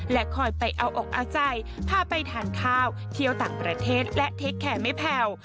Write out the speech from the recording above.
คอยไปเอาอกเอาใจพาไปทานข้าวเที่ยวต่างประเทศและเทคแคร์ไม่แพลว